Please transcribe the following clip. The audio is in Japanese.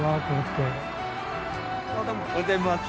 おはようございます。